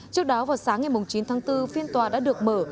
trước đó vào sáng ngày chín tháng bốn phiên tòa đã được mở